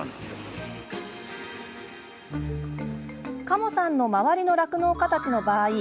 加茂さんの周りの酪農家たちの場合